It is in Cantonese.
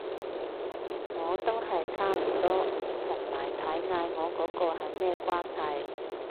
我都係差唔多，同埋睇嗌我嗰個係咩關係